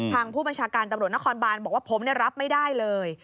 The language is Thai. ทางผู้บัญชาการตำรวจนครบานบอกว่าผมรับไม่ได้เลย